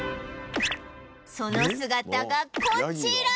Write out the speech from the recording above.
その姿がこちら